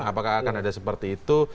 apakah akan ada seperti itu